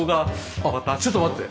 あっちょっと待って。